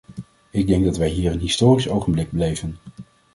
Ik denk dat wij hier een historisch ogenblik beleven.